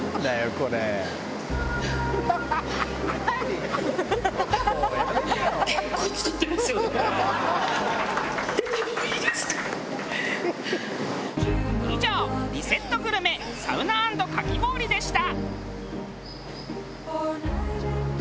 これ」以上リセットグルメサウナ＆かき氷でした。